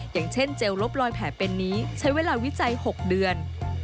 อย่างเช่นเจลลบลอยแผลเป็นนี้ใช้เวลาวิจัย๖เดือน